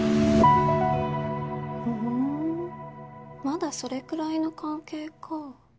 ふんまだそれくらいの関係か。